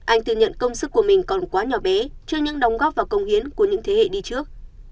anh thừa nhận công sức của mình còn quá nhỏ bé trước những đóng góp và công hiến của những thế hệ đi trước